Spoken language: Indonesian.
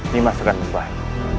nimas akan membaik